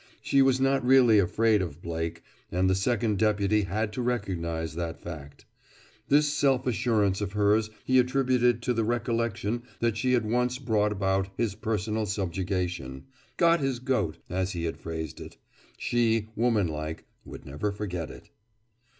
She was not really afraid of Blake, and the Second Deputy had to recognize that fact. This self assurance of hers he attributed to the recollection that she had once brought about his personal subjugation, "got his goat," as he had phrased it. She, woman like, would never forget it.